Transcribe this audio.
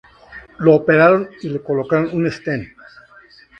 Lo operaron y le colocaron un stent.